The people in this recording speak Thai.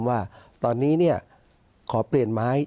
ว่าตอนนี้ขอเปลี่ยนไม้